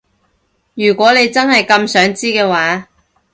如果你真係咁想知嘅話